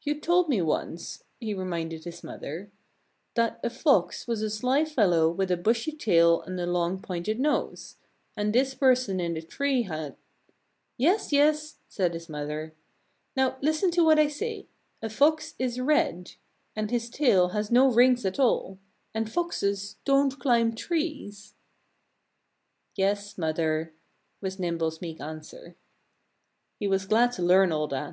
"You told me once," he reminded his mother, "that a Fox was a sly fellow with a bushy tail and a long pointed nose. And this person in the tree had " "Yes! Yes!" said his mother. "Now listen to what I say: A Fox is red. And his tail has no rings at all. And Foxes don't climb trees." "Yes, Mother!" was Nimble's meek answer. He was glad to learn all that.